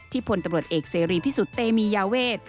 พลตำรวจเอกเสรีพิสุทธิ์เตมียาเวท